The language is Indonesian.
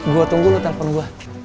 gua tunggu lu telpon gua